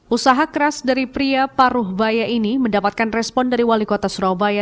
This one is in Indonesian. usaha keras dari pria paruh baya ini mendapatkan respon dari wali kota surabaya